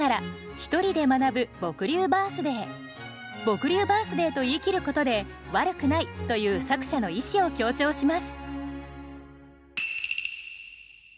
「僕流バースデイ」と言い切ることで「わるくない」という作者の意志を強調します。